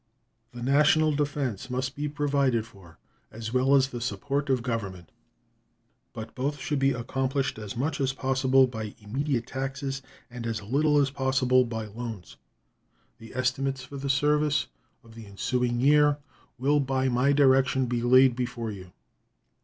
The national defense must be provided for as well as the support of Government; but both should be accomplished as much as possible by immediate taxes, and as little as possible by loans. The estimates for the service of the ensuing year will by my direction be laid before you.